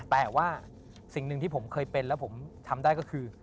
แต่ว่าสิ่งหนึ่งที่ผมเคยเป็นแล้วผมทำได้ก็คือ